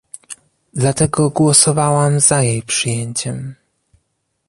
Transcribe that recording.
Dlatego głosowałam za jej przyjęciem